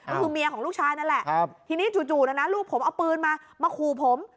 ก็คือเมียของลูกชายนั่นแหละทีนี้จู่นะนะลูกผมเอาปืนมามาขู่ผม